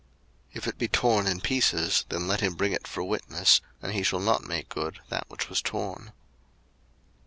02:022:013 If it be torn in pieces, then let him bring it for witness, and he shall not make good that which was torn.